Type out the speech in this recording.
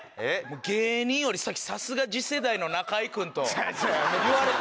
芸人よりさっきさすが次世代の中居君といわれた。